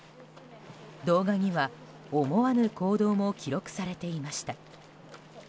動画には、思わぬ行動も記録されていました。